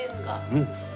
うん。